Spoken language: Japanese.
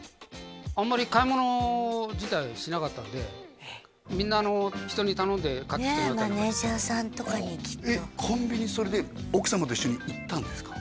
あんまり買い物自体しなかったんでみんな人に頼んで買ってきてもらったりなんかねえマネージャーさんとかにきっとコンビニそれで奥様と一緒に行ったんですか？